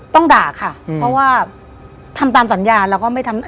ต้องด่าค่ะเพราะว่าทำตามสัญญาแล้วก็ไม่ทำ